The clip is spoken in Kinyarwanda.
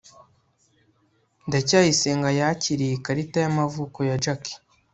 ndacyayisenga yakiriye ikarita y'amavuko ya jaki